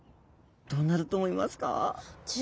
どうなると思いますか？